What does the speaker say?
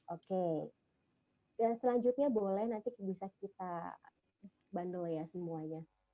oke selanjutnya boleh nanti bisa kita bandel ya semuanya